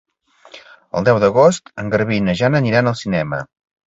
El deu d'agost en Garbí i na Jana aniran al cinema.